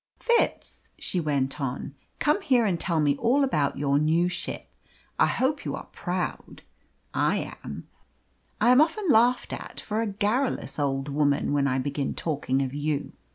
"Fitz," she went on, "come here and tell me all about your new ship. I hope you are proud I am. I am often laughed at for a garrulous old woman when I begin talking of you!"